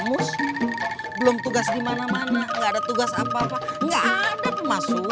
kang mus belum tugas dimana mana gak ada tugas apa apa gak ada pemasukan